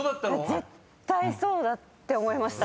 絶対そうだって思いました。